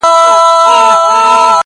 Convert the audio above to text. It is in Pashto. آسمانه واخله ککرۍ درغلې-